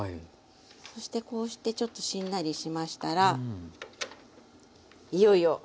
そしてこうしてちょっとしんなりしましたらいよいよ。